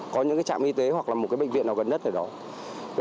có những cái trạm y tế hoặc là một cái bệnh viện nào gần nhất ở đó